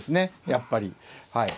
やっぱり。